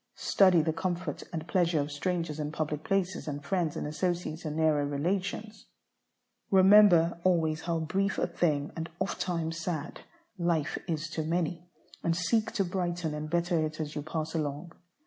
Study the comfort and pleasure of strangers in public places, and friends and associates in nearer relations. Remember always how brief a thing, and ofttimes sad, life is to many, and seek to brighten and better it as you pass along.